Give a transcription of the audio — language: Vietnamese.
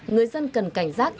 người dân cần cảnh giác